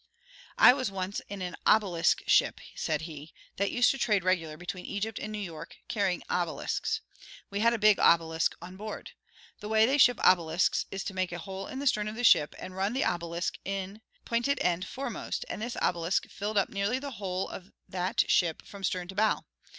"I was once in an obelisk ship," said he, "that used to trade regular between Egypt and New York, carrying obelisks. We had a big obelisk on board. The way they ship obelisks is to make a hole in the stern of the ship, and run the obelisk in, p'inted end foremost; and this obelisk filled up nearly the whole of that ship from stern to bow.